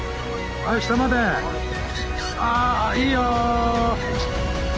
あいいよ！